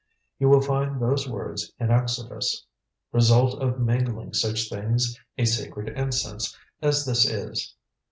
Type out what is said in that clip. You will find those words in Exodus. Result of mingling such things a sacred incense, as this is.